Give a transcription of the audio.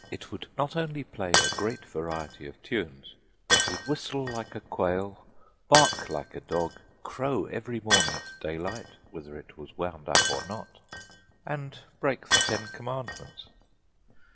It would not only play a great variety of tunes, but would whistle like a quail, bark like a dog, crow every morning at daylight whether it was wound up or not, and break the Ten Commandments.